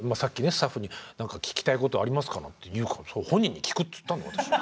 スタッフに「何か聞きたいことありますか？」なんて言うからそれ本人に聞くっつったの私。